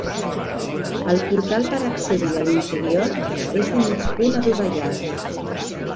El portal per accedir a l'interior és de mig punt adovellat.